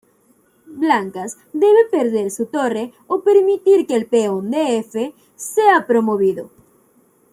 Blancas debe perder su torre o permitir que el peón de "f" sea promovido.